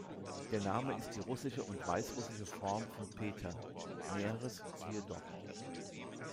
Der Name ist die russische und weißrussische Form von Peter; Näheres siehe dort.